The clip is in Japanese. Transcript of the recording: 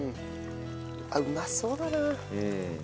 あっうまそうだな。